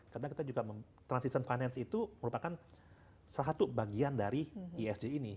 karena transition finance itu merupakan salah satu bagian dari isg ini